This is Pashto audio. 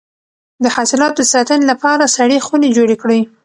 د حاصلاتو د ساتنې لپاره سړې خونې جوړې کړئ.